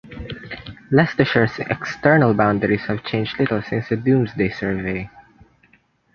Leicestershire's external boundaries have changed little since the Domesday Survey.